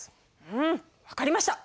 うん分かりました。